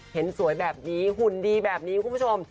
เห็นสวยแบบนี้หุ่นดีแบบนี้คุณผู้ชม